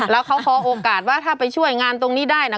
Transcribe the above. แล้วเขาขอโอกาสว่าถ้าไปช่วยงานตรงนี้ได้นะ